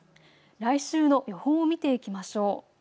来週の予報を見ていきましょう。